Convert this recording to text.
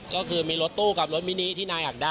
ก็คือมีรถตู้กับรถมินิที่นายอยากได้